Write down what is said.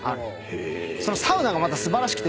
そのサウナがまた素晴らしくて。